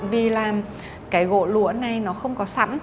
vì là cái gỗ lũa này nó không có sẵn